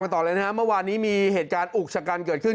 มาต่อแล้วนะฮะเมื่อวานนี้มีเหตุการณ์อุกษกันเกิดขึ้น